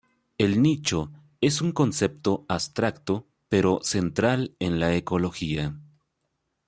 El nicho es un concepto abstracto pero central en la ecología.